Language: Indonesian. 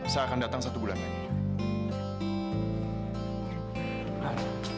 saya akan datang satu bulan lagi